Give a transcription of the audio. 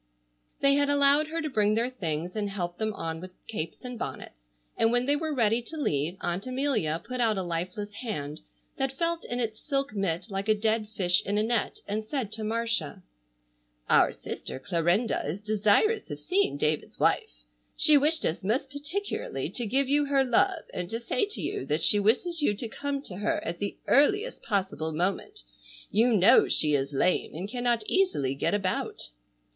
They had allowed her to bring their things and help them on with capes and bonnets, and, when they were ready to leave, Aunt Amelia put out a lifeless hand, that felt in its silk mitt like a dead fish in a net, and said to Marcia: "Our sister Clarinda is desirous of seeing David's wife. She wished us most particularly to give you her love and say to you that she wishes you to come to her at the earliest possible moment. You know she is lame and cannot easily get about."